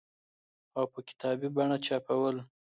او په کتابي بڼه چاپول دي